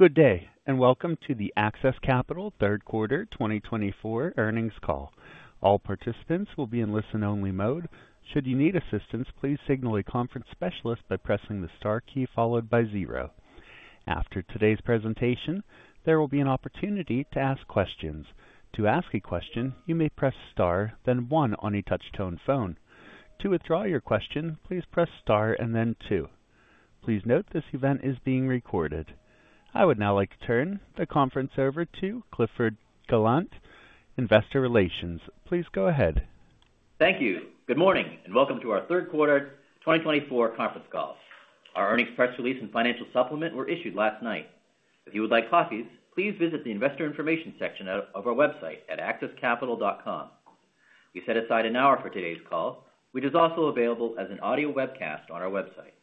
Good day, and welcome to the AXIS Capital Q3 2024 earnings call. All participants will be in listen-only mode. Should you need assistance, please signal a conference specialist by pressing the star key followed by zero. After today's presentation, there will be an opportunity to ask questions. To ask a question, you may press star, then one on a touch-tone phone. To withdraw your question, please press star and then two. Please note this event is being recorded. I would now like to turn the conference over to Clifford Gallant, Investor Relations. Please go ahead. Thank you. Good morning, and welcome to our Q3 2024 conference call. Our earnings press release and financial supplement were issued last night. If you would like copies, please visit the investor information section of our website at axiscapital.com. We set aside an hour for today's call, which is also available as an audio webcast on our website.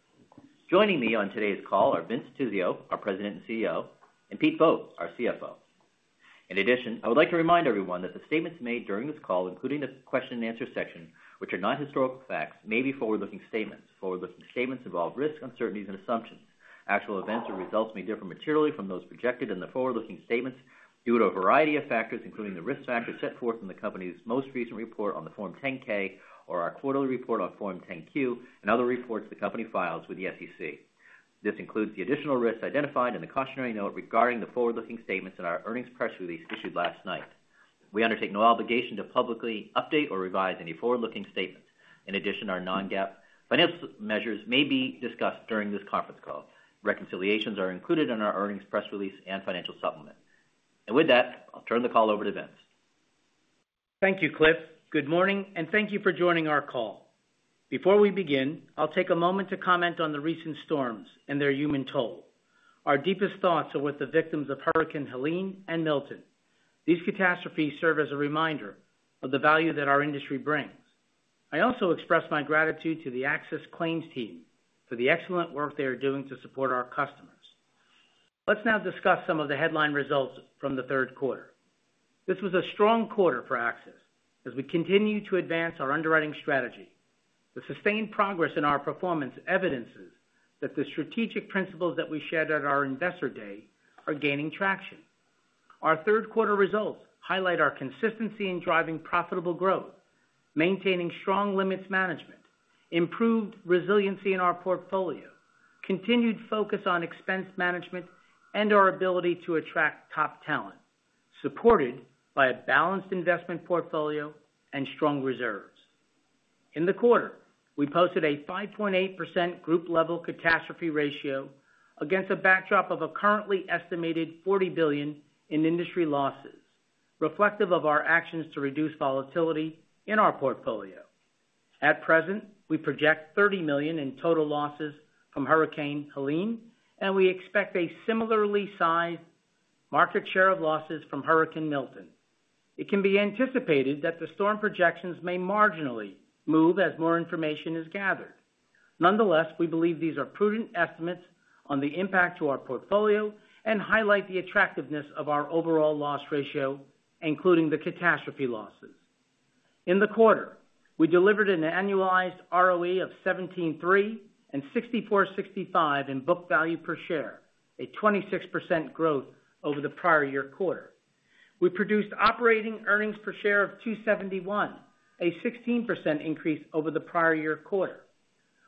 Joining me on today's call are Vince Tizzio, our President and CEO, and Pete Vogt, our CFO. In addition, I would like to remind everyone that the statements made during this call, including the question-and-answer section, which are not historical facts, may be forward-looking statements. Forward-looking statements involve risks, uncertainties, and assumptions. Actual events or results may differ materially from those projected in the forward-looking statements due to a variety of factors, including the risk factors set forth in the company's most recent report on the Form 10-K or our quarterly report on Form 10-Q and other reports the company files with the SEC. This includes the additional risks identified in the cautionary note regarding the forward-looking statements in our earnings press release issued last night. We undertake no obligation to publicly update or revise any forward-looking statements. In addition, our non-GAAP financial measures may be discussed during this conference call. Reconciliations are included in our earnings press release and financial supplement. And with that, I'll turn the call over to Vince. Thank you, Cliff. Good morning, and thank you for joining our call. Before we begin, I'll take a moment to comment on the recent storms and their human toll. Our deepest thoughts are with the victims of Hurricane Helene and Milton. These catastrophes serve as a reminder of the value that our industry brings. I also express my gratitude to the AXIS Claims team for the excellent work they are doing to support our customers. Let's now discuss some of the headline results from the Q3. This was a strong quarter for AXIS as we continue to advance our underwriting strategy. The sustained progress in our performance evidences that the strategic principles that we shared at our Investor Day are gaining traction. Our Q3 results highlight our consistency in driving profitable growth, maintaining strong limits management, improved resiliency in our portfolio, continued focus on expense management, and our ability to attract top talent, supported by a balanced investment portfolio and strong reserves. In the quarter, we posted a 5.8% group-level catastrophe ratio against a backdrop of a currently estimated $40 billion in industry losses, reflective of our actions to reduce volatility in our portfolio. At present, we project $30 million in total losses from Hurricane Helene, and we expect a similarly sized market share of losses from Hurricane Milton. It can be anticipated that the storm projections may marginally move as more information is gathered. Nonetheless, we believe these are prudent estimates on the impact to our portfolio and highlight the attractiveness of our overall loss ratio, including the catastrophe losses. In the quarter, we delivered an annualized ROE of 17.3% and $64.65 in book value per share, a 26% growth over the prior year quarter. We produced operating earnings per share of $2.71, a 16% increase over the prior year quarter.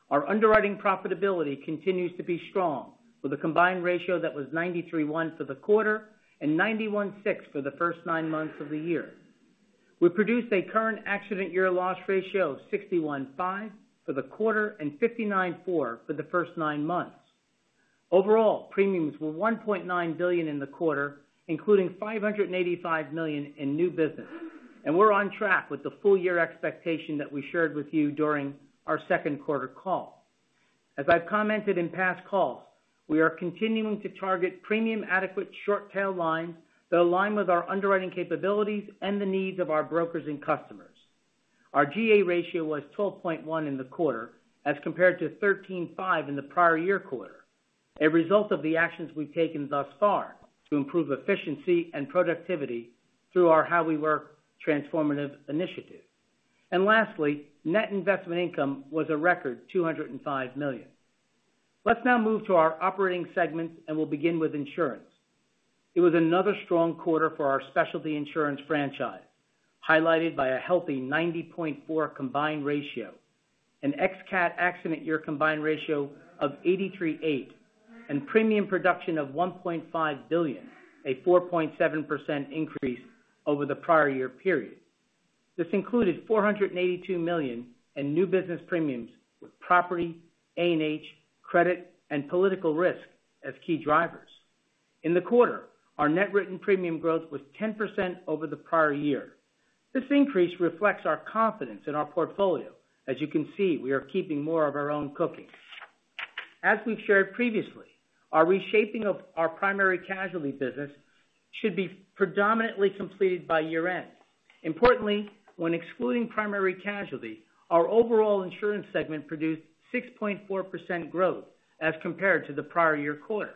Our underwriting profitability continues to be strong, with a combined ratio that was 93.1 for the quarter and 91.6 for the first nine months of the year. We produced a current accident year loss ratio of 61.5 for the quarter and 59.4 for the first nine months. Overall, premiums were $1.9 billion in the quarter, including $585 million in new business, and we're on track with the full-year expectation that we shared with you during our Q2 call. As I've commented in past calls, we are continuing to target premium adequate short-tail lines that align with our underwriting capabilities and the needs of our brokers and customers. Our G&A ratio was 12.1 in the quarter as compared to 13.5 in the prior year quarter, a result of the actions we've taken thus far to improve efficiency and productivity through our How We Work transformative initiative, and lastly, net investment income was a record $205 million. Let's now move to our operating segments, and we'll begin with insurance. It was another strong quarter for our specialty insurance franchise, highlighted by a healthy 90.4% combined ratio, an ex-CAT accident year combined ratio of 83.8%, and premium production of $1.5 billion, a 4.7% increase over the prior year period. This included $482 million in new business premiums with property, A&H, credit, and political risk as key drivers. In the quarter, our net written premium growth was 10% over the prior year. This increase reflects our confidence in our portfolio. As you can see, we are keeping more of our own cooking. As we've shared previously, our reshaping of our primary casualty business should be predominantly completed by year-end. Importantly, when excluding primary casualty, our overall insurance segment produced 6.4% growth as compared to the prior year quarter.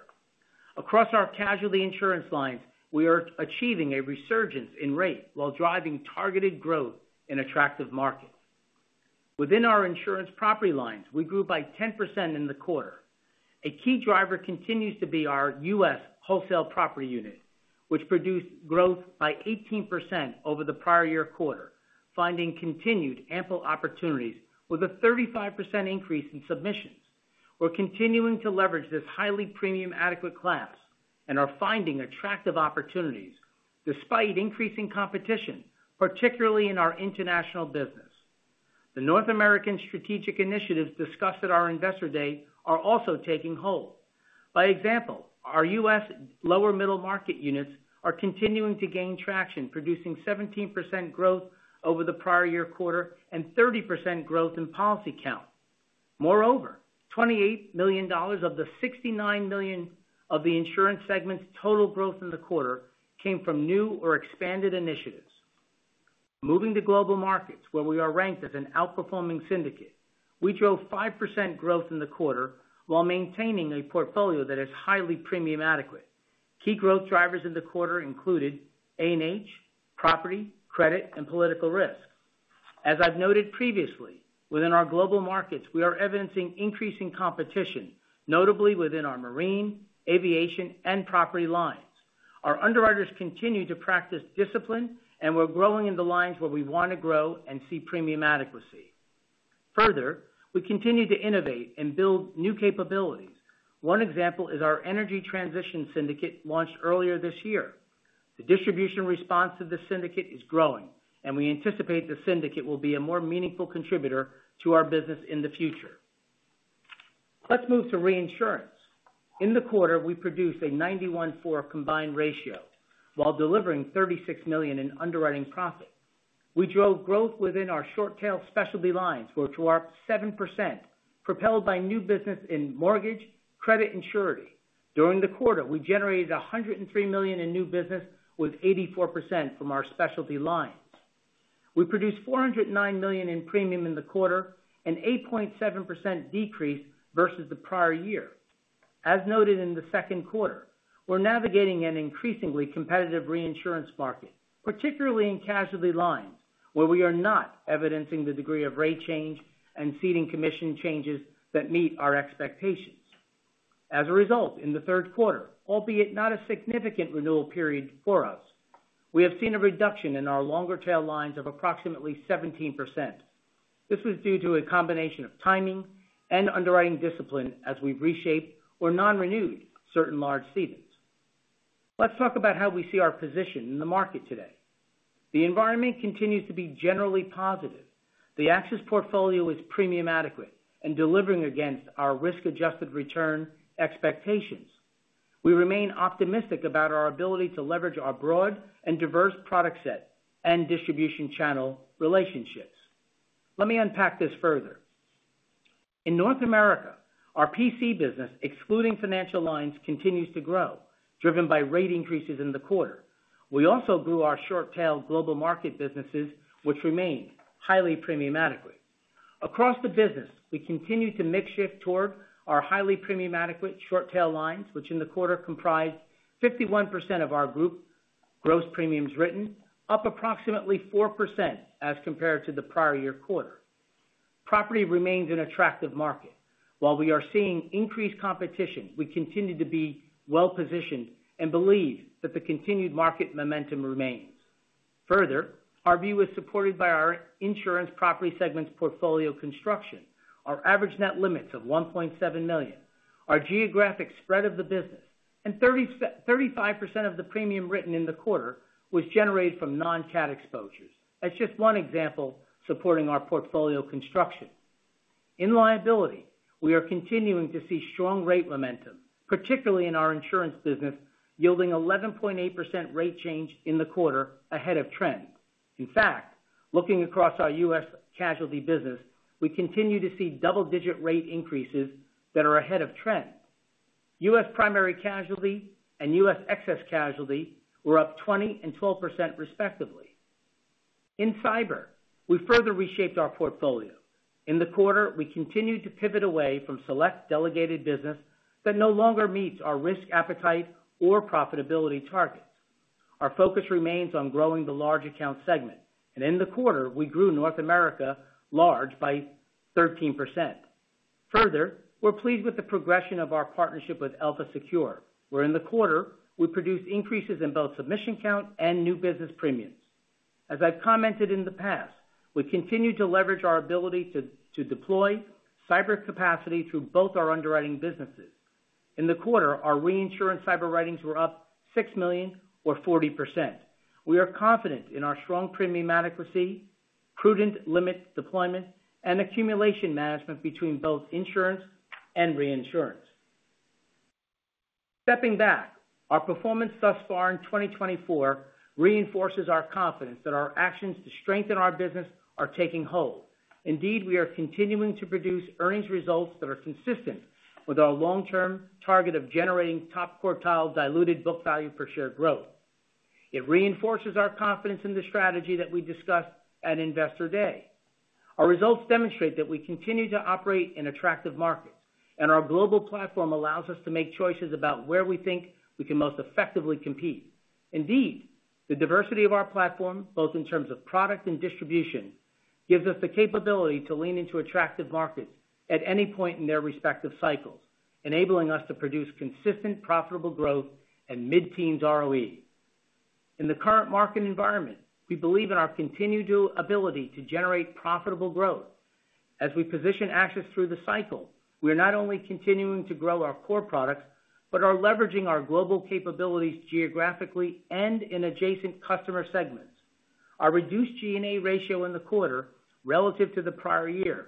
Across our casualty insurance lines, we are achieving a resurgence in rate while driving targeted growth in attractive markets. Within our insurance property lines, we grew by 10% in the quarter. A key driver continues to be our US wholesale property unit, which produced growth by 18% over the prior year quarter, finding continued ample opportunities with a 35% increase in submissions. We're continuing to leverage this highly premium adequate class and are finding attractive opportunities despite increasing competition, particularly in our international business. The North American strategic initiatives discussed at our investor day are also taking hold. By example, our US Lower-middle market units are continuing to gain traction, producing 17% growth over the prior year quarter and 30% growth in policy count. Moreover, $28 million of the $69 million of the insurance segment's total growth in the quarter came from new or expanded initiatives. Moving to Global Markets, where we are ranked as an outperforming syndicate, we drove 5% growth in the quarter while maintaining a portfolio that is highly premium adequate. Key growth drivers in the quarter included A&H, property, credit, and political risk. As I've noted previously, within our Global Markets, we are evidencing increasing competition, notably within our marine, aviation, and property lines. Our underwriters continue to practice discipline, and we're growing in the lines where we want to grow and see premium adequacy. Further, we continue to innovate and build new capabilities. One example is our Energy Transition Syndicate launched earlier this year. The distribution response to the syndicate is growing, and we anticipate the syndicate will be a more meaningful contributor to our business in the future. Let's move to reinsurance. In the quarter, we produced a 91.4 combined ratio while delivering $36 million in underwriting profit. We drove growth within our short-tail specialty lines, which were up 7%, propelled by new business in mortgage, credit, and surety. During the quarter, we generated $103 million in new business, with 84% from our specialty lines. We produced $409 million in premium in the quarter, an 8.7% decrease versus the prior year. As noted in the Q2, we're navigating an increasingly competitive reinsurance market, particularly in casualty lines, where we are not evidencing the degree of rate change and ceding commission changes that meet our expectations. As a result, in the Q3, albeit not a significant renewal period for us, we have seen a reduction in our longer-tail lines of approximately 17%. This was due to a combination of timing and underwriting discipline as we reshaped or non-renewed certain large cedants. Let's talk about how we see our position in the market today. The environment continues to be generally positive. The AXIS portfolio is premium adequate and delivering against our risk-adjusted return expectations. We remain optimistic about our ability to leverage our broad and diverse product set and distribution channel relationships. Let me unpack this further. In North America, our PC business, excluding financial lines, continues to grow, driven by rate increases in the quarter. We also grew our short-tail global market businesses, which remained highly premium adequate. Across the business, we continue to mix shift toward our highly premium adequate short-tail lines, which in the quarter comprised 51% of our group gross premiums written, up approximately 4% as compared to the prior year quarter. Property remains an attractive market. While we are seeing increased competition, we continue to be well-positioned and believe that the continued market momentum remains. Further, our view is supported by our insurance property segments portfolio construction, our average net limits of $1.7 million, our geographic spread of the business, and 35% of the premium written in the quarter was generated from non-CAT exposures. That's just one example supporting our portfolio construction. In liability, we are continuing to see strong rate momentum, particularly in our insurance business, yielding 11.8% rate change in the quarter ahead of trend. In fact, looking across our US Casualty business, we continue to see double-digit rate increases that are ahead of trend. US primary casualty and US excess casualty were up 20% and 12%, respectively. In cyber, we further reshaped our portfolio. In the quarter, we continued to pivot away from select delegated business that no longer meets our risk appetite or profitability targets. Our focus remains on growing the large account segment, and in the quarter, we grew North America large by 13%. Further, we're pleased with the progression of our partnership with Elpha Secure, where in the quarter, we produced increases in both submission count and new business premiums. As I've commented in the past, we continue to leverage our ability to deploy cyber capacity through both our underwriting businesses. In the quarter, our reinsurance cyber writings were up $6 million, or 40%. We are confident in our strong premium adequacy, prudent limit deployment, and accumulation management between both insurance and reinsurance. Stepping back, our performance thus far in 2024 reinforces our confidence that our actions to strengthen our business are taking hold. Indeed, we are continuing to produce earnings results that are consistent with our long-term target of generating top-quartile diluted book value per share growth. It reinforces our confidence in the strategy that we discussed at investor day. Our results demonstrate that we continue to operate in attractive markets, and our global platform allows us to make choices about where we think we can most effectively compete. Indeed, the diversity of our platform, both in terms of product and distribution, gives us the capability to lean into attractive markets at any point in their respective cycles, enabling us to produce consistent, profitable growth and mid-teens ROE. In the current market environment, we believe in our continued ability to generate profitable growth. As we position AXIS through the cycle, we are not only continuing to grow our core products but are leveraging our global capabilities geographically and in adjacent customer segments. Our reduced G&A ratio in the quarter relative to the prior year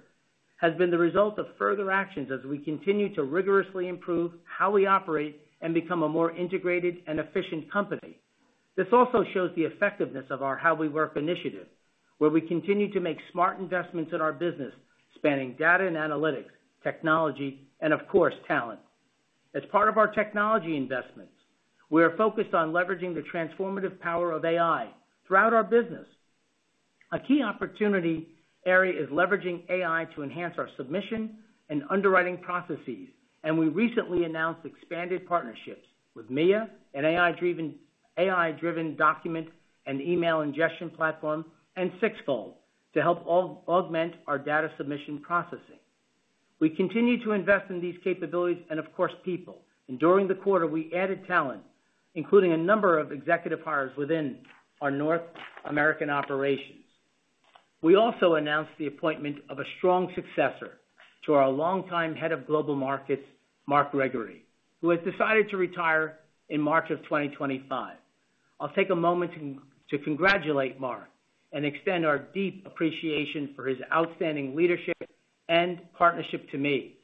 has been the result of further actions as we continue to rigorously improve how we operate and become a more integrated and efficient company. This also shows the effectiveness of our How We Work initiative, where we continue to make smart investments in our business, spanning data and analytics, technology, and, of course, talent. As part of our technology investments, we are focused on leveraging the transformative power of AI throughout our business. A key opportunity area is leveraging AI to enhance our submission and underwriting processes, and we recently announced expanded partnerships with Meya, an AI-driven document and email ingestion platform, and Sixfold to help augment our data submission processing. We continue to invest in these capabilities and, of course, people. And during the quarter, we added talent, including a number of executive hires within our North American operations. We also announced the appointment of a strong successor to our longtime head of global markets, Mark Gregory, who has decided to retire in March of 2025. I'll take a moment to congratulate Mark and extend our deep appreciation for his outstanding leadership and partnership to me.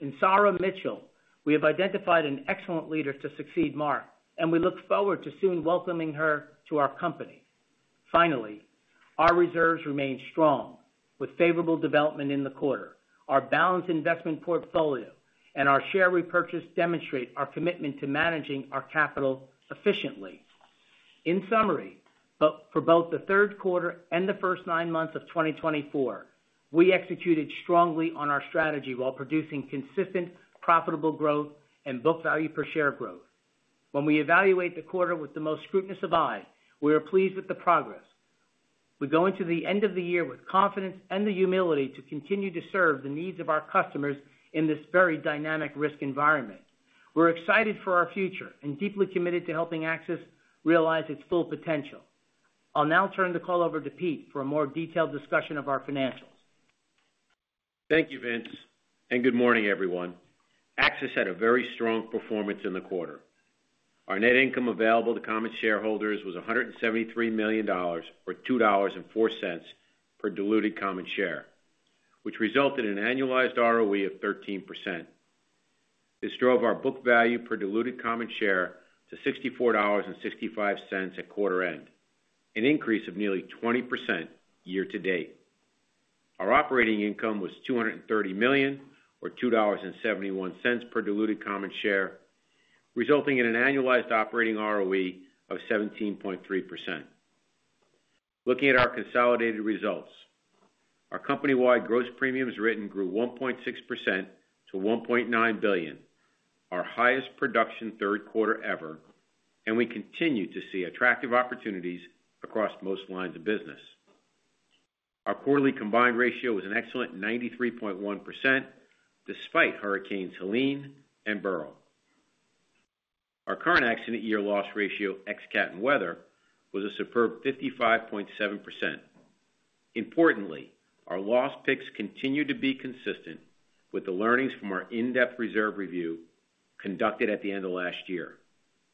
In Sarah Mitchell, we have identified an excellent leader to succeed Mark, and we look forward to soon welcoming her to our company. Finally, our reserves remain strong with favorable development in the quarter. Our balanced investment portfolio and our share repurchase demonstrate our commitment to managing our capital efficiently. In summary, for both the Q3 and the first nine months of 2024, we executed strongly on our strategy while producing consistent, profitable growth and book value per share growth. When we evaluate the quarter with the most scrutinous of eyes, we are pleased with the progress. We go into the end of the year with confidence and the humility to continue to serve the needs of our customers in this very dynamic risk environment. We're excited for our future and deeply committed to helping AXIS realize its full potential. I'll now turn the call over to Pete for a more detailed discussion of our financials. Thank you, Vince, and good morning, everyone. AXIS had a very strong performance in the quarter. Our net income available to common shareholders was $173 million, or $2.04, per diluted common share, which resulted in an annualized ROE of 13%. This drove our book value per diluted common share to $64.65 at quarter end, an increase of nearly 20% year-to-date. Our operating income was $230 million, or $2.71, per diluted common share, resulting in an annualized operating ROE of 17.3%. Looking at our consolidated results, our company-wide gross premiums written grew 1.6% to $1.9 billion, our highest production Q3 ever, and we continue to see attractive opportunities across most lines of business. Our quarterly combined ratio was an excellent 93.1% despite hurricanes Helene and Beryl. Our current accident-year loss ratio, ex-cat and weather, was a superb 55.7%. Importantly, our loss picks continue to be consistent with the learnings from our in-depth reserve review conducted at the end of last year.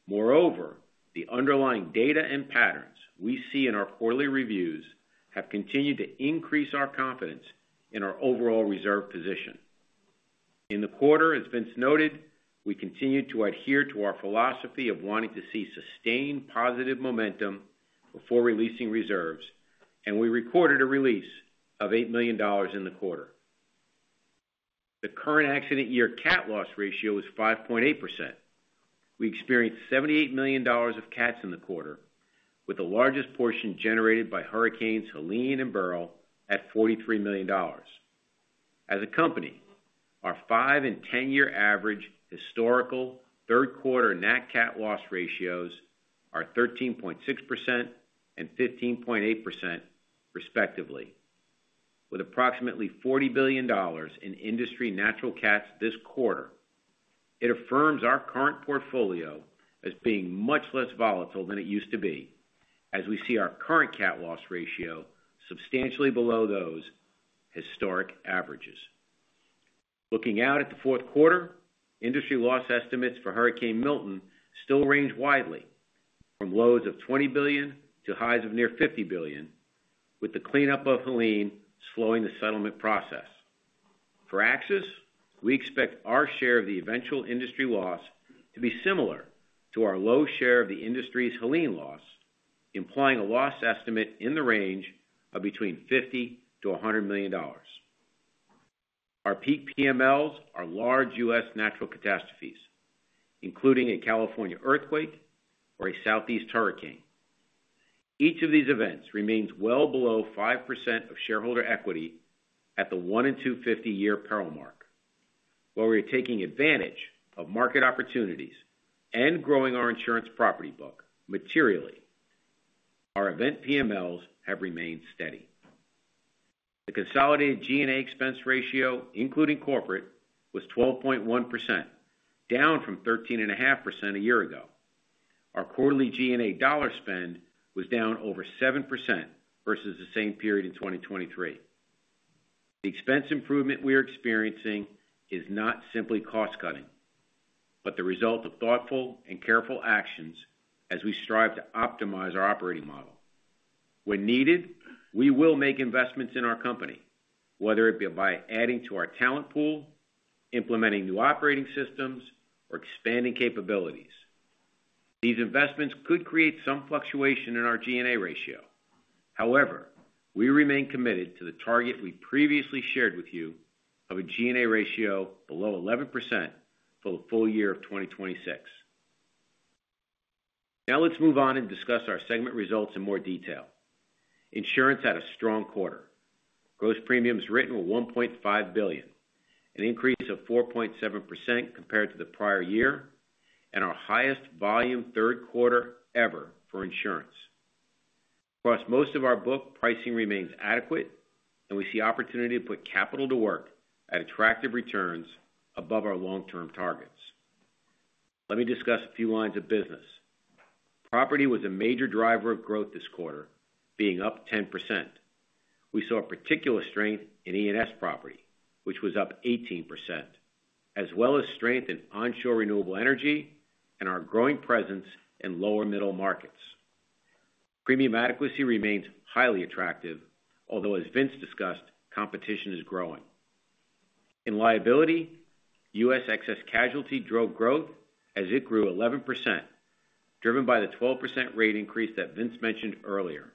Moreover, the underlying data and patterns we see in our quarterly reviews have continued to increase our confidence in our overall reserve position. In the quarter, as Vince noted, we continued to adhere to our philosophy of wanting to see sustained positive momentum before releasing reserves, and we recorded a release of $8 million in the quarter. The current accident-year cat loss ratio is 5.8%. We experienced $78 million of cats in the quarter, with the largest portion generated by hurricanes Helene and Beryl at $43 million. As a company, our 5 and 10-year average historical Q3 nat-cat loss ratios are 13.6% and 15.8%, respectively, with approximately $40 billion in industry natural cats this quarter. It affirms our current portfolio as being much less volatile than it used to be, as we see our current cat loss ratio substantially below those historic averages. Looking out at the Q4, industry loss estimates for Hurricane Milton still range widely, from lows of $20 billion to highs of near $50 billion, with the cleanup of Helene slowing the settlement process. For AXIS, we expect our share of the eventual industry loss to be similar to our low share of the industry's Helene loss, implying a loss estimate in the range of between $50 to $100 million. Our peak PMLs are large US natural catastrophes, including a California earthquake or a Southeast hurricane. Each of these events remains well below 5% of shareholder equity at the 1-in-250-year peril mark. While we are taking advantage of market opportunities and growing our insurance property book materially, our event PMLs have remained steady. The consolidated G&A expense ratio, including corporate, was 12.1%, down from 13.5% a year ago. Our quarterly G&A dollar spend was down over 7% versus the same period in 2023. The expense improvement we are experiencing is not simply cost-cutting, but the result of thoughtful and careful actions as we strive to optimize our operating model. When needed, we will make investments in our company, whether it be by adding to our talent pool, implementing new operating systems, or expanding capabilities. These investments could create some fluctuation in our G&A ratio. However, we remain committed to the target we previously shared with you of a G&A ratio below 11% for the full year of 2026. Now let's move on and discuss our segment results in more detail. Insurance had a strong quarter. Gross premiums written were $1.5 billion, an increase of 4.7% compared to the prior year, and our highest volume Q3 ever for insurance. Across most of our book, pricing remains adequate, and we see opportunity to put capital to work at attractive returns above our long-term targets. Let me discuss a few lines of business. Property was a major driver of growth this quarter, being up 10%. We saw a particular strength in E&S property, which was up 18%, as well as strength in onshore renewable energy and our growing presence in lower middle markets. Premium adequacy remains highly attractive, although, as Vince discussed, competition is growing. In liability, US excess casualty drove growth as it grew 11%, driven by the 12% rate increase that Vince mentioned earlier.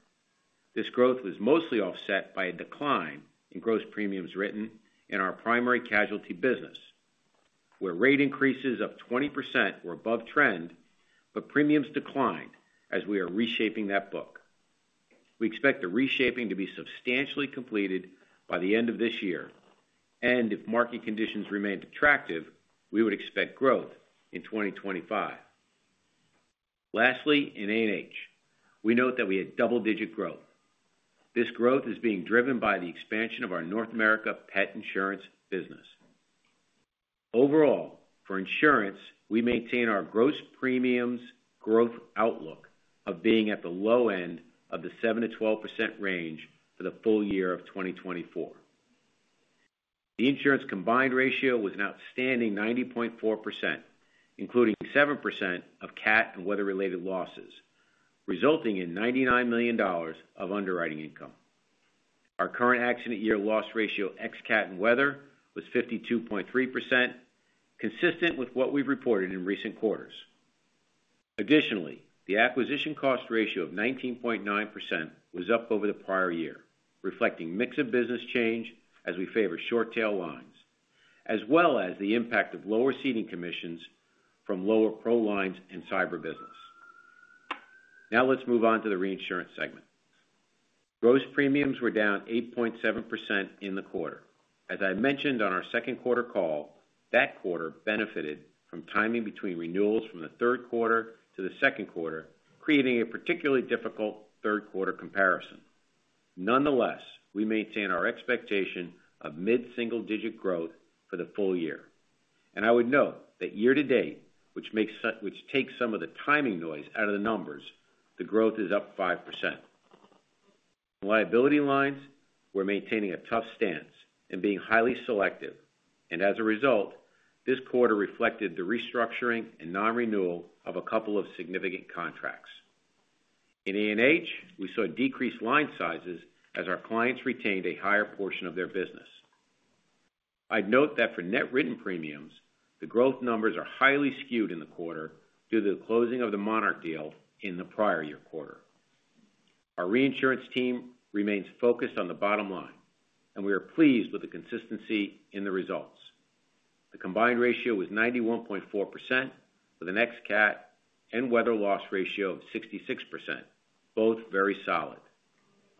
This growth was mostly offset by a decline in gross premiums written in our primary casualty business, where rate increases of 20% were above trend, but premiums declined as we are reshaping that book. We expect the reshaping to be substantially completed by the end of this year, and if market conditions remained attractive, we would expect growth in 2025. Lastly, in A&H, we note that we had double-digit growth. This growth is being driven by the expansion of our North America pet insurance business. Overall, for insurance, we maintain our gross premiums growth outlook of being at the low end of the 7%-12% range for the full year of 2024. The insurance combined ratio was an outstanding 90.4%, including 7% of cat and weather-related losses, resulting in $99 million of underwriting income. Our current accident-year loss ratio ex-cat and weather was 52.3%, consistent with what we've reported in recent quarters. Additionally, the acquisition cost ratio of 19.9% was up over the prior year, reflecting mix of business change as we favor short-tail lines, as well as the impact of lower ceding commissions from lower pro lines in cyber business. Now let's move on to the reinsurance segment. Gross premiums were down 8.7% in the quarter. As I mentioned on our Q2 call, that quarter benefited from timing between renewals from the Q3 to the Q2, creating a particularly difficult Q3 comparison. Nonetheless, we maintain our expectation of mid-single-digit growth for the full year, and I would note that year-to-date, which takes some of the timing noise out of the numbers, the growth is up 5%. Liability lines, we're maintaining a tough stance and being highly selective, and as a result, this quarter reflected the restructuring and non-renewal of a couple of significant contracts. In A&H, we saw decreased line sizes as our clients retained a higher portion of their business. I'd note that for net written premiums, the growth numbers are highly skewed in the quarter due to the closing of the Monarch deal in the prior year quarter. Our reinsurance team remains focused on the bottom line, and we are pleased with the consistency in the results. The combined ratio was 91.4% with an ex-cat and weather loss ratio of 66%, both very solid.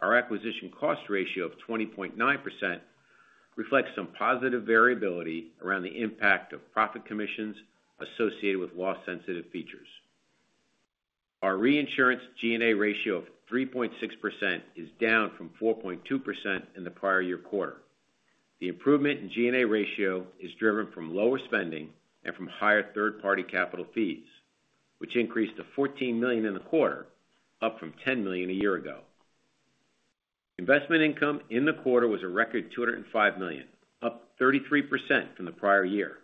Our acquisition cost ratio of 20.9% reflects some positive variability around the impact of profit commissions associated with loss-sensitive features. Our reinsurance G&A ratio of 3.6% is down from 4.2% in the prior year quarter. The improvement in G&A ratio is driven from lower spending and from higher third-party capital fees, which increased to $14 million in the quarter, up from $10 million a year ago. Investment income in the quarter was a record $205 million, up 33% from the prior year.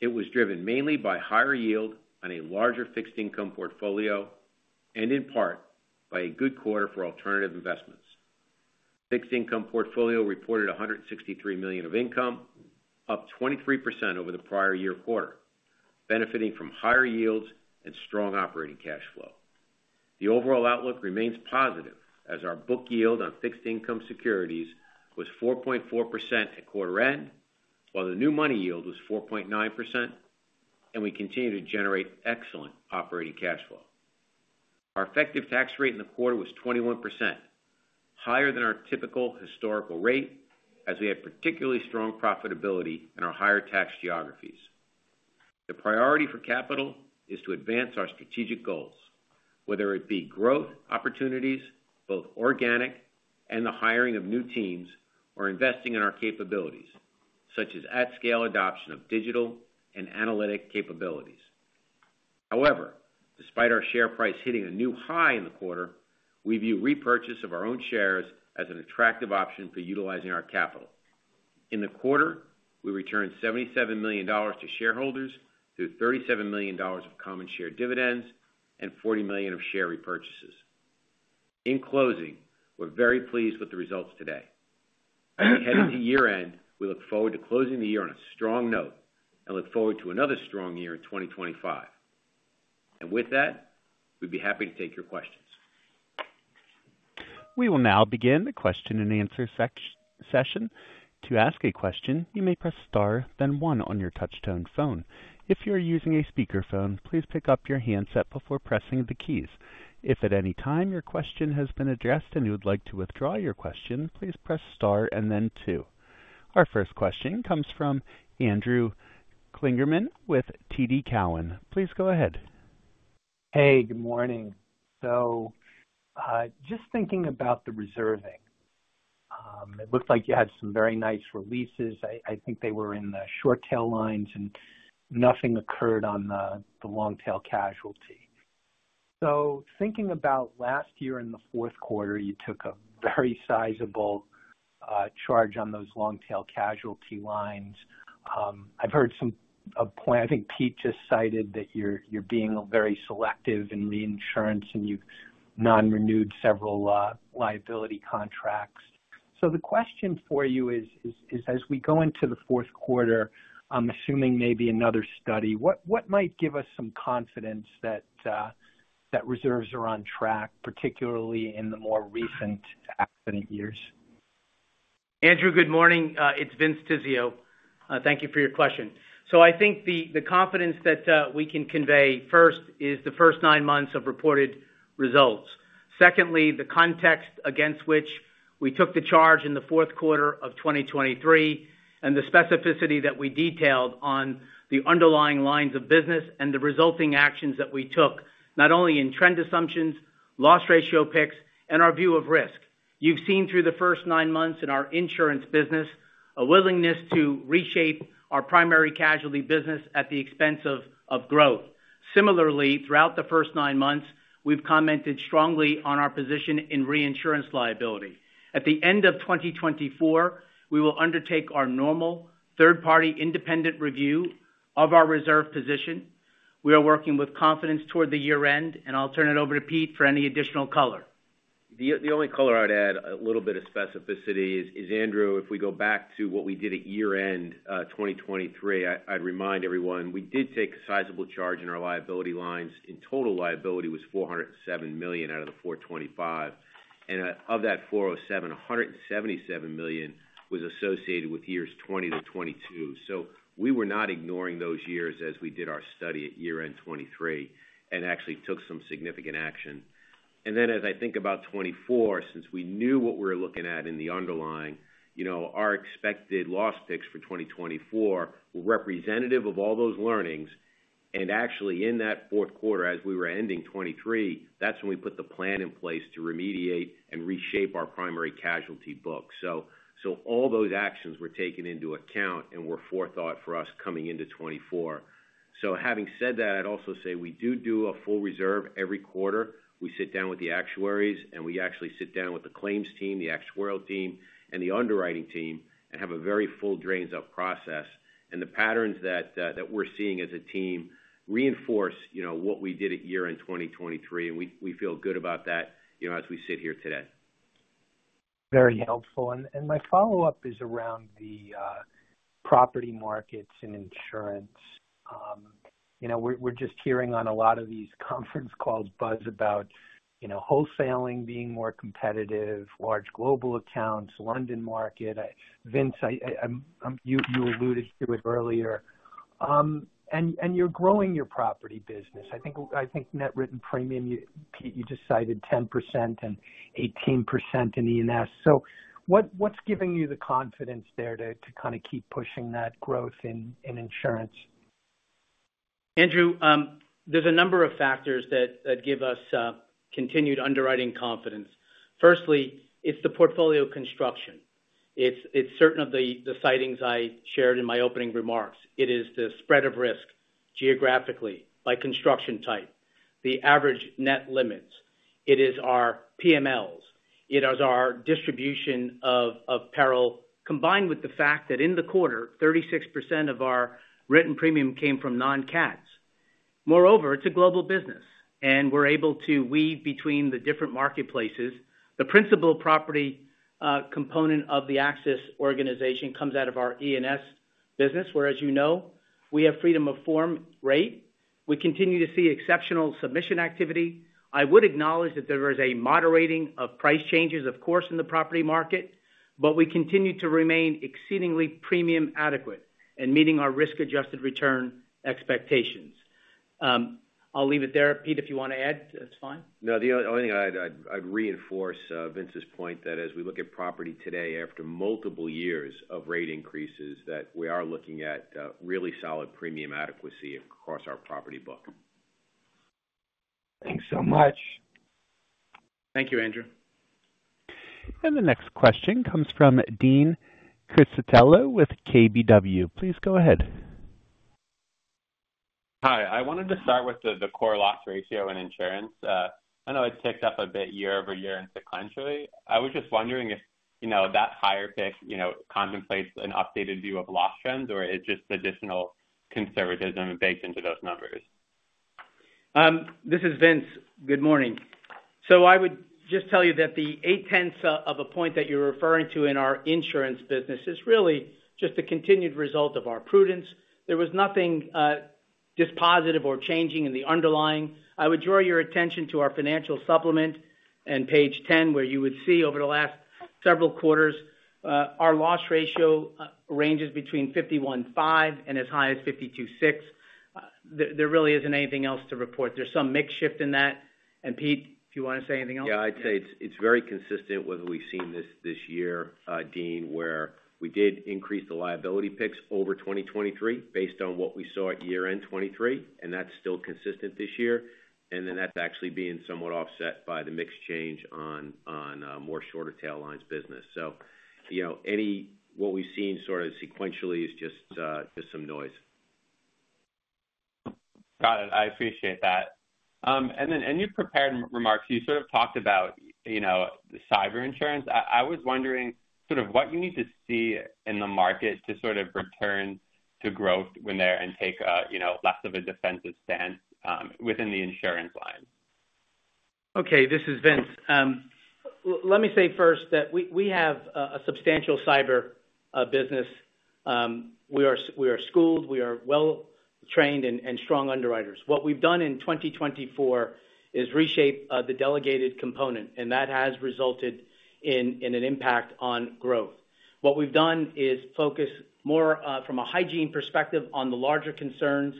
It was driven mainly by higher yield on a larger fixed-income portfolio and, in part, by a good quarter for alternative investments. Fixed-income portfolio reported $163 million of income, up 23% over the prior year quarter, benefiting from higher yields and strong operating cash flow. The overall outlook remains positive as our book yield on fixed-income securities was 4.4% at quarter end, while the new money yield was 4.9%, and we continue to generate excellent operating cash flow. Our effective tax rate in the quarter was 21%, higher than our typical historical rate as we had particularly strong profitability in our higher tax geographies. The priority for capital is to advance our strategic goals, whether it be growth opportunities, both organic and the hiring of new teams, or investing in our capabilities, such as at-scale adoption of digital and analytic capabilities. However, despite our share price hitting a new high in the quarter, we view repurchase of our own shares as an attractive option for utilizing our capital. In the quarter, we returned $77 million to shareholders through $37 million of common share dividends and $40 million of share repurchases. In closing, we're very pleased with the results today. Heading to year-end, we look forward to closing the year on a strong note and look forward to another strong year in 2025. And with that, we'd be happy to take your questions. We will now begin the question and answer session. To ask a question, you may press star, then 1 on your touch-tone phone. If you're using a speakerphone, please pick up your handset before pressing the keys. If at any time your question has been addressed and you would like to withdraw your question, please press star and then 2. Our first question comes from Andrew Kligerman with TD Cowen. Please go ahead. Hey, good morning. So just thinking about the reserving, it looked like you had some very nice releases. I think they were in the short-tail lines, and nothing occurred on the long-tail casualty. So thinking about last year in the Q4, you took a very sizable charge on those long-tail casualty lines. I've heard some. I think Pete just cited that you're being very selective in reinsurance, and you've non-renewed several liability contracts. So the question for you is, as we go into the Q4, I'm assuming maybe another study. What might give us some confidence that reserves are on track, particularly in the more recent accident years? Andrew, good morning. It's Vince Tizzio. Thank you for your question. So I think the confidence that we can convey, first, is the first nine months of reported results. Secondly, the context against which we took the charge in the Q4 of 2023 and the specificity that we detailed on the underlying lines of business and the resulting actions that we took, not only in trend assumptions, loss ratio picks, and our view of risk. You've seen through the first nine months in our insurance business a willingness to reshape our primary casualty business at the expense of growth. Similarly, throughout the first nine months, we've commented strongly on our position in reinsurance liability. At the end of 2024, we will undertake our normal third-party independent review of our reserve position. We are working with confidence toward the year-end, and I'll turn it over to Pete for any additional color. The only color I'd add, a little bit of specificity, is, Andrew, if we go back to what we did at year-end 2023, I'd remind everyone we did take a sizable charge in our liability lines. In total, liability was $407 million out of the $425 million, and of that $407 million, $177 million was associated with years 2020 to 2022. So we were not ignoring those years as we did our study at year-end 2023 and actually took some significant action, and then, as I think about 2024, since we knew what we were looking at in the underlying, our expected loss picks for 2024 were representative of all those learnings. And actually, in that Q4, as we were ending 2023, that's when we put the plan in place to remediate and reshape our primary casualty book. So all those actions were taken into account and were forethought for us coming into 2024. So having said that, I'd also say we do do a full reserve every quarter. We sit down with the actuaries, and we actually sit down with the claims team, the actuarial team, and the underwriting team, and have a very full bottoms-up process. And the patterns that we're seeing as a team reinforce what we did at year-end 2023, and we feel good about that as we sit here today. Very helpful. And my follow-up is around the property markets and insurance. We're just hearing on a lot of these conference calls buzz about wholesale being more competitive, large global accounts, London market. Vince, you alluded to it earlier. And you're growing your property business. I think net written premium, Pete, you just cited 10% and 18% in E&S. So what's giving you the confidence there to kind of keep pushing that growth in insurance? Andrew, there's a number of factors that give us continued underwriting confidence. Firstly, it's the portfolio construction. It's certain of the insights I shared in my opening remarks. It is the spread of risk geographically by construction type, the average net limits. It is our PMLs. It is our distribution of peril combined with the fact that in the quarter, 36% of our written premium came from non-cats. Moreover, it's a global business, and we're able to weave between the different marketplaces. The principal property component of the AXIS organization comes out of our E&S business, where, as you know, we have freedom of rate and form. We continue to see exceptional submission activity. I would acknowledge that there was a moderating of price changes, of course, in the property market, but we continue to remain exceedingly premium adequate and meeting our risk-adjusted return expectations. I'll leave it there. Pete, if you want to add, that's fine. No, the only thing I'd reinforce Vince's point that as we look at property today, after multiple years of rate increases, that we are looking at really solid premium adequacy across our property book. Thanks so much. Thank you, Andrew. And the next question comes from Dean Criscitiello with KBW. Please go ahead. Hi. I wanted to start with the core loss ratio in insurance. I know it's ticked up a bit year over year sequentially. I was just wondering if that higher pick contemplates an updated view of loss trends, or is it just additional conservatism baked into those numbers? This is Vince. Good morning. So I would just tell you that the eight-tenths of a point that you're referring to in our insurance business is really just a continued result of our prudence. There was nothing just positive or changing in the underlying. I would draw your attention to our financial supplement and page 10, where you would see over the last several quarters, our loss ratio ranges between 51.5% and as high as 52.6%. There really isn't anything else to report. There's some mix shift in that. And Pete, if you want to say anything else. Yeah, I'd say it's very consistent with what we've seen this year, Dean, where we did increase the liability picks over 2023 based on what we saw at year-end '23, and that's still consistent this year. And then that's actually being somewhat offset by the mix change on more short-tail lines business. So what we've seen sort of sequentially is just some noise. Got it. I appreciate that. And then in your prepared remarks, you sort of talked about the cyber insurance. I was wondering sort of what you need to see in the market to sort of return to growth and take less of a defensive stance within the insurance line. Okay. This is Vince. Let me say first that we have a substantial cyber business. We are scaled. We are well-trained and strong underwriters. What we've done in 2024 is reshape the delegated component, and that has resulted in an impact on growth. What we've done is focus more from a hygiene perspective on the larger concerns,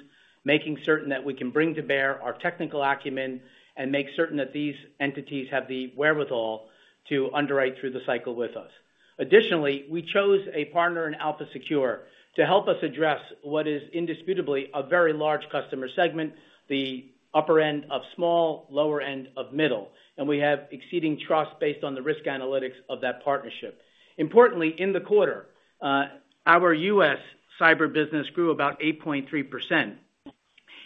making certain that we can bring to bear our technical acumen and make certain that these entities have the wherewithal to underwrite through the cycle with us. Additionally, we chose a partner in Elpha Secure to help us address what is indisputably a very large customer segment, the upper end of small, lower end of middle. And we have exceedingly trust based on the risk analytics of that partnership. Importantly, in the quarter, our US cyber business grew about 8.3%,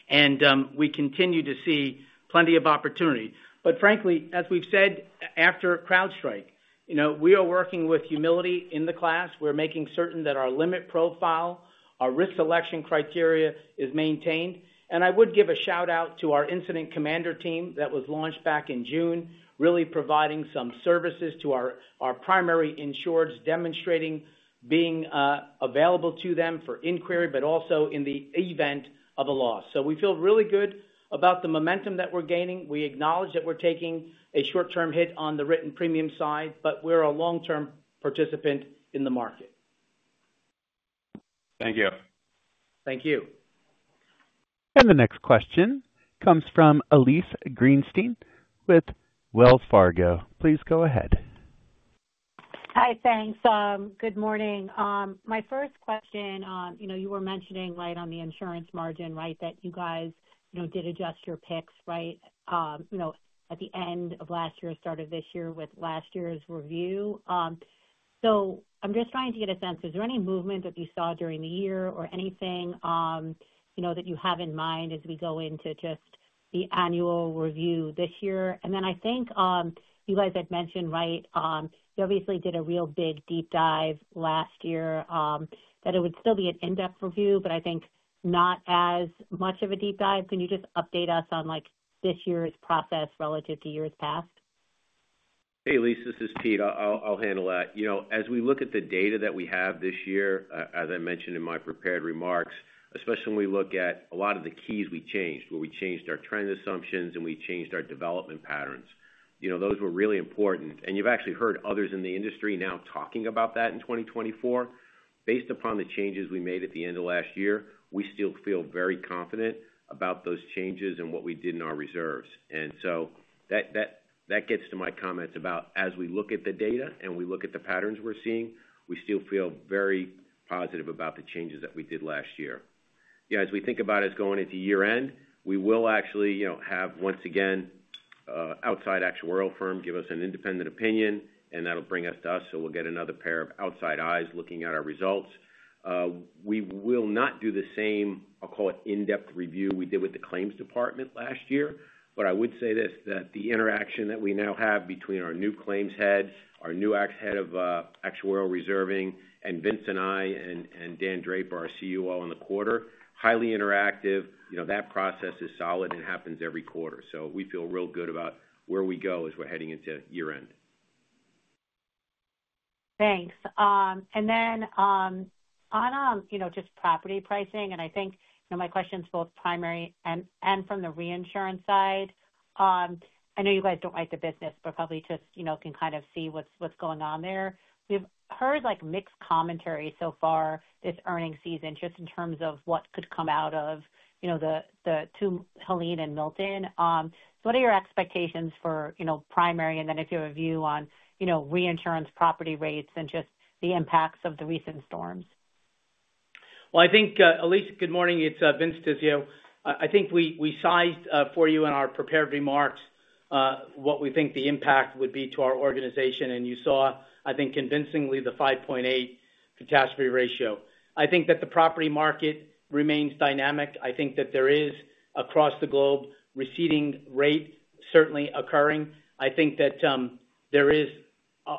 and we continue to see plenty of opportunity. But frankly, as we've said after CrowdStrike, we are working with humility in the class. We're making certain that our limit profile, our risk selection criteria is maintained. And I would give a shout-out to our Incident Commander team that was launched back in June, really providing some services to our primary insureds, demonstrating being available to them for inquiry, but also in the event of a loss. So we feel really good about the momentum that we're gaining. We acknowledge that we're taking a short-term hit on the written premium side, but we're a long-term participant in the market. Thank you. Thank you. And the next question comes from Elyse Greenspan with Wells Fargo. Please go ahead. Hi, thanks. Good morning. My first question, you were mentioning right on the insurance margin, right, that you guys did adjust your picks, right, at the end of last year, start of this year with last year's review. I'm just trying to get a sense. Is there any movement that you saw during the year or anything that you have in mind as we go into just the annual review this year? And then I think you guys had mentioned, right, you obviously did a real big deep dive last year, that it would still be an in-depth review, but I think not as much of a deep dive. Can you just update us on this year's process relative to years past? Hey, Elyse, this is Pete. I'll handle that. As we look at the data that we have this year, as I mentioned in my prepared remarks, especially when we look at a lot of the keys we changed, where we changed our trend assumptions and we changed our development patterns, those were really important. And you've actually heard others in the industry now talking about that in 2024. Based upon the changes we made at the end of last year, we still feel very confident about those changes and what we did in our reserves. And so that gets to my comments about, as we look at the data and we look at the patterns we're seeing, we still feel very positive about the changes that we did last year. As we think about us going into year-end, we will actually have, once again, outside actuarial firm give us an independent opinion, and that'll bring us to us. So we'll get another pair of outside eyes looking at our results. We will not do the same, I'll call it, in-depth review we did with the claims department last year. But I would say this, that the interaction that we now have between our new claims head, our new AXIS head of actuarial reserving, and Vince and I and Dan Draper, our CEO, on the quarter, highly interactive, that process is solid and happens every quarter. So we feel real good about where we go as we're heading into year-end. Thanks. And then on just property pricing, and I think my question's both primary and from the reinsurance side. I know you guys don't like the business, but probably just can kind of see what's going on there. We've heard mixed commentary so far this earnings season just in terms of what could come out of the two, Helene and Milton. So what are your expectations for primary and then if you have a view on reinsurance property rates and just the impacts of the recent storms? I think, Elise, good morning. It's Vince Tizzio. I think we sized for you in our prepared remarks what we think the impact would be to our organization. And you saw, I think, convincingly the 5.8 catastrophe ratio. I think that the property market remains dynamic. I think that there is, across the globe, receding rate certainly occurring. I think that there is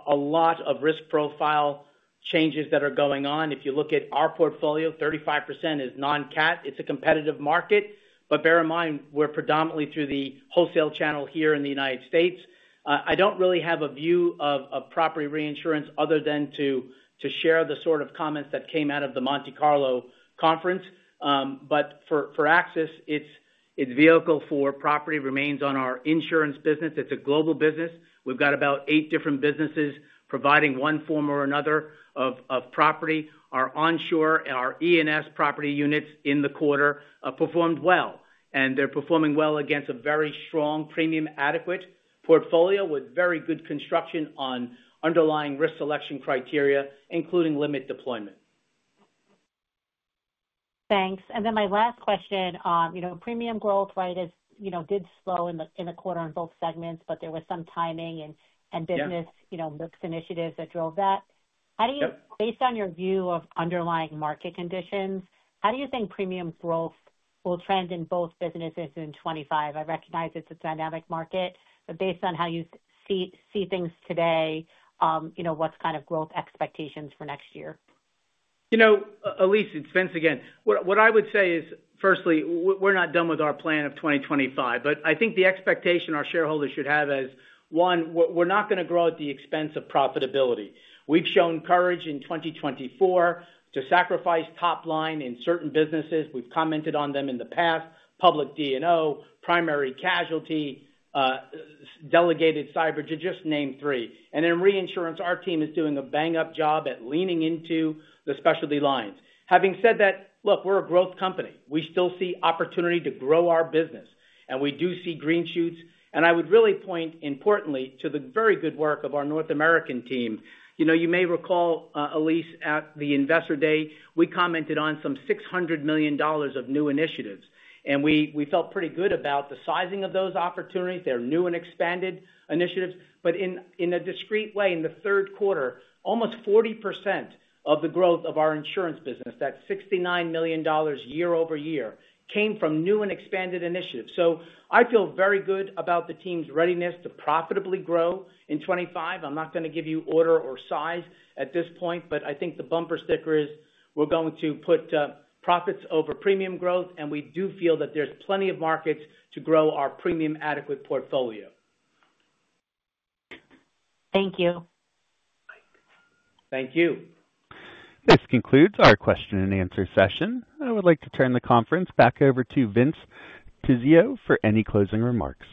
a lot of risk profile changes that are going on. If you look at our portfolio, 35% is non-cat. It's a competitive market. But bear in mind, we're predominantly through the wholesale channel here in the United States. I don't really have a view of property reinsurance other than to share the sort of comments that came out of the Monte Carlo Conference. But for AXIS, it's vehicle for property remains on our insurance business. It's a global business. We've got about eight different businesses providing one form or another of property. Our onshore and our E&S property units in the quarter performed well. And they're performing well against a very strong premium adequate portfolio with very good construction on underlying risk selection criteria, including limit deployment. Thanks. And then my last question, premium growth, right, did slow in the quarter on both segments, but there was some timing and business mix initiatives that drove that. Based on your view of underlying market conditions, how do you think premium growth will trend in both businesses in 2025? I recognize it's a dynamic market, but based on how you see things today, what's kind of growth expectations for next year? Elyse, it's Vince again. What I would say is, firstly, we're not done with our plan of 2025. But I think the expectation our shareholders should have is, one, we're not going to grow at the expense of profitability. We've shown courage in 2024 to sacrifice top line in certain businesses. We've commented on them in the past, Public D&O, Primary Casualty, delegated cyber, to just name three. And in reinsurance, our team is doing a bang-up job at leaning into the specialty lines. Having said that, look, we're a growth company. We still see opportunity to grow our business, and we do see green shoots. And I would really point importantly to the very good work of our North American team. You may recall, Elyse, at the Investor Day, we commented on some $600 million of new initiatives. And we felt pretty good about the sizing of those opportunities. They're new and expanded initiatives. But in a discreet way, in the third quarter, almost 40% of the growth of our insurance business, that $69 million year over year, came from new and expanded initiatives. So I feel very good about the team's readiness to profitably grow in 2025. I'm not going to give you order or size at this point, but I think the bumper sticker is we're going to put profits over premium growth, and we do feel that there's plenty of markets to grow our premium adequate portfolio. Thank you. Thank you. This concludes our question and answer session. I would like to turn the conference back over to Vince Tizzio for any closing remarks.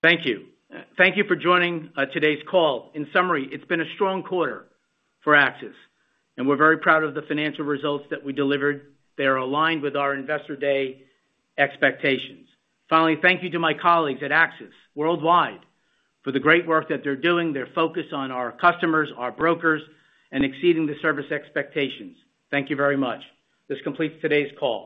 Thank you. Thank you for joining today's call. In summary, it's been a strong quarter for AXIS, and we're very proud of the financial results that we delivered. They are aligned with our investor day expectations. Finally, thank you to my colleagues at AXIS Worldwide for the great work that they're doing, their focus on our customers, our brokers, and exceeding the service expectations. Thank you very much. This completes today's call.